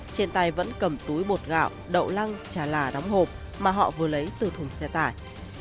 trên tay vẫn cầm túi bột gạo đậu lăng trà là đóng hộp mà họ vừa lấy từ thùng xe tải